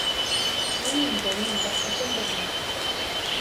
Мин инде, мин, башҡа кем булһын.